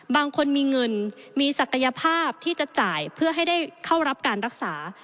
บางคนมีเงินมีศักยภาพที่จะจ่ายเพื่อให้ได้เข้ารับการรักษา